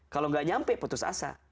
kalau nggak nyampe putus asa